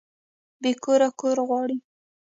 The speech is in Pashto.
بې کوره کور غواړي